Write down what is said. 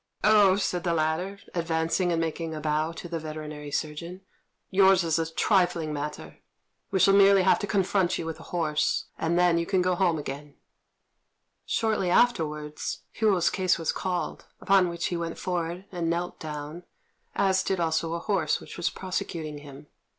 "Oh," said the latter, advancing and making a bow to the veterinary surgeon, "yours is a trifling matter. We shall merely have to confront you with a horse, and then you can go home again." Shortly afterwards, Hou's case was called; upon which he went forward and knelt down, as did also a horse which was prosecuting him.